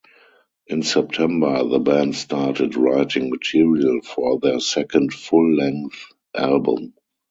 In September, the band started writing material for their second full-length album.